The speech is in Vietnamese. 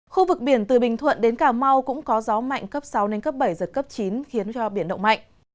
khu vực biển từ bình thuận đến cà mau cũng có gió mạnh cấp sáu đến cấp bảy giật cấp chín khiến cho biển động mạnh